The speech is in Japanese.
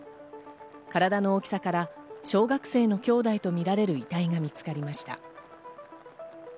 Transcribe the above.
体の大きさから、小学生の兄弟とみられる遺体が見つかりました。